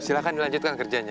silahkan dilanjutkan kerjanya